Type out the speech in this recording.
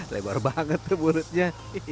lebar banget tuh mulutnya